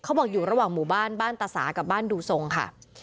เขาบอกอยู่ระหว่างหมู่บ้านบ้านตาสากับบ้านดูทรงค่ะ